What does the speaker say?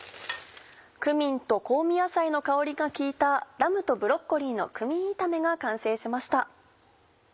クミンと香味野菜の香りが効いた「ラムとブロッコリーのクミン炒め」が完成しました。